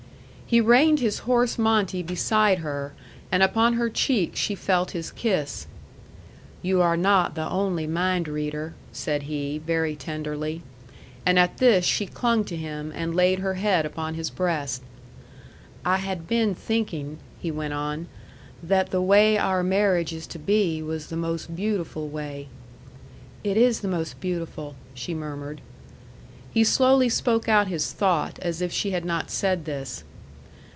He reined his horse Monte beside her, and upon her cheek she felt his kiss. "You are not the only mind reader," said he, very tenderly. And at this she clung to him, and laid her head upon his breast. "I had been thinking," he went on, "that the way our marriage is to be was the most beautiful way." "It is the most beautiful," she murmured. He slowly spoke out his thought, as if she had not said this.